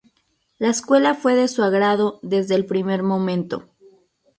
La escuela fue de su agrado desde el primer momento.